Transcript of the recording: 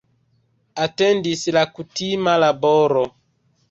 Atendis la kutima laboro.